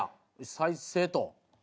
再生と。